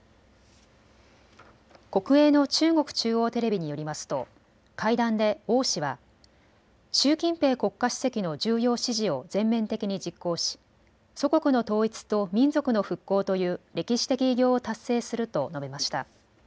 国営の中国中央テレビによりますと会談で王氏は習近平国家主席の重要指示を全面的に実行し祖国の統一と民族の復興という歴史的偉業を達成すると述べました。